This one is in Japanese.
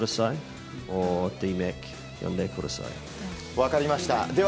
分かりました。